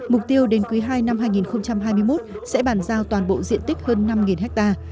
mục tiêu đến quý ii năm hai nghìn hai mươi một sẽ bàn giao toàn bộ diện tích hơn năm ha